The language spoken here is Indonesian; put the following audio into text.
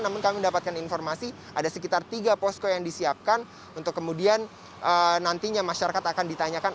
namun kami mendapatkan informasi ada sekitar tiga posko yang disiapkan untuk kemudian nantinya masyarakat akan ditanyakan